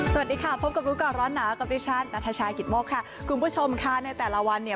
สวัสดีค่ะพบกับรู้ก่อนร้อนหนาวกับดิฉันนัทชายกิตโมกค่ะคุณผู้ชมค่ะในแต่ละวันเนี่ย